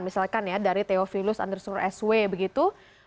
misalkan ya dari theophilus underscore sw begitu